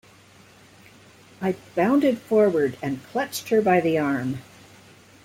I bounded forward, and clutched her by the arm.